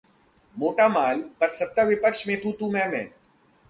'मोटा माल' पर सत्ता-विपक्ष में तू-तू..मैं-मैं...